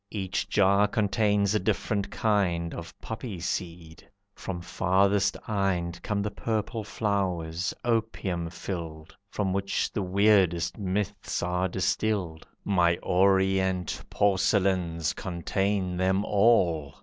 Each jar contains a different kind Of poppy seed. From farthest Ind Come the purple flowers, opium filled, From which the weirdest myths are distilled; My orient porcelains contain them all.